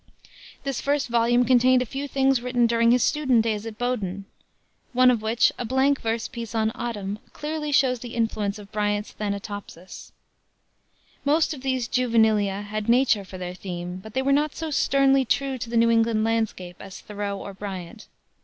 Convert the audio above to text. This first volume contained a few things written during his student days at Bowdoin, one of which, a blank verse piece on Autumn, clearly shows the influence of Bryant's Thanatopsis. Most of these juvenilia had nature for their theme, but they were not so sternly true to the New England landscape as Thoreau or Bryant.